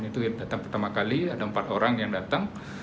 dan itu yang datang pertama kali ada empat orang yang datang